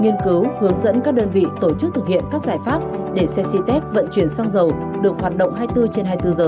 nghiên cứu hướng dẫn các đơn vị tổ chức thực hiện các giải pháp để xe c tech vận chuyển xăng dầu được hoạt động hai mươi bốn trên hai mươi bốn giờ